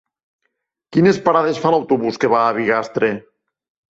Quines parades fa l'autobús que va a Bigastre?